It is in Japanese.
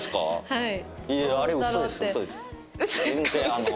はい。